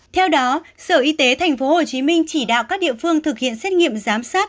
theo đó sở y tế tp hcm chỉ đạo các địa phương thực hiện xét nghiệm giám sát